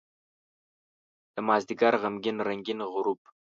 دمازدیګر غمګین رنګین غروب